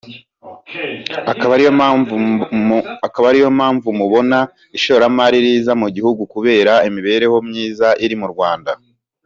ikaba ari yo mpamvu mubona ishoramari riza mu gihugu kubera imibereho myiza iri mu Rwanda